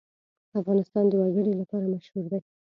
افغانستان د وګړي لپاره مشهور دی.